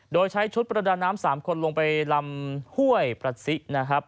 โดยใช้ชุดประดาน้ำ๓คนลงไปลำห้วยประซินะครับ